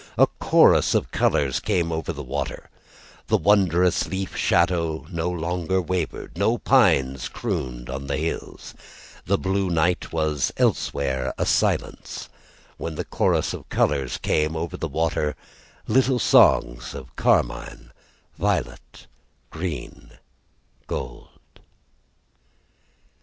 A chorus of colors came over the water; The wondrous leaf shadow no longer wavered, No pines crooned on the hills, The blue night was elsewhere a silence, When the chorus of colors came over the water, Little songs of carmine, violet, green, gold.